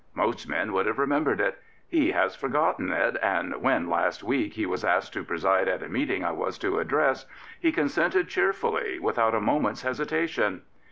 Most men would have remembered it; he has forgotten it, and when last week he was asked to preside at a meeting I was to address, he consented cheerfully, without a moment *s hesitation.